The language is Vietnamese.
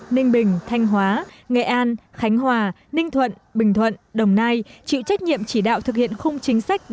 ninh bình thanh hóa nghệ an khánh hòa ninh thuận bình thuận đồng nai chịu trách nhiệm chỉ đạo thực hiện khung chính sách